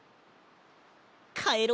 かえろう。